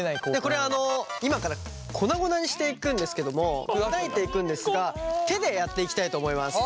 これあの今から粉々にしていくんですけども砕いていくんですが手でやっていきたいと思います。